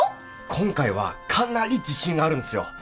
今回はかなり自信あるんすよ